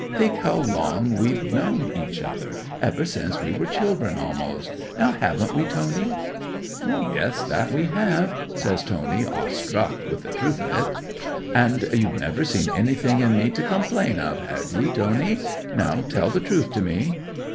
Think how long we've known each other—ever since we were children almost—now haven't we, Tony?" '"Yes, that we have," says Tony, a struck with the truth o't. '"And you've never seen anything in me to complain of, have ye, Tony? Now tell the truth to me?"